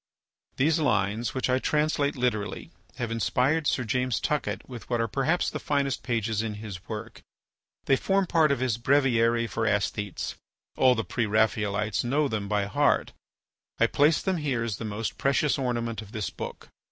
These lines, which I translate literally, have inspired Sir James Tuckett with what are perhaps the finest pages in his work. They form part of his "Breviary for Æsthetes"; all the Pre Raphaelites know them by heart. I place them here as the most precious ornament of this book.